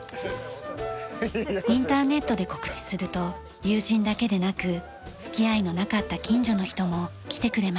インターネットで告知すると友人だけでなく付き合いのなかった近所の人も来てくれました。